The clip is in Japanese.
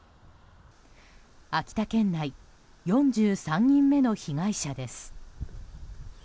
秋田県内４３人目の被害者です。